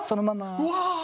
うわ。